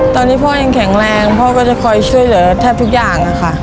ตอนนี้พ่อยังแข็งแรงพ่อก็จะคอยช่วยเหลือแทบทุกอย่างค่ะ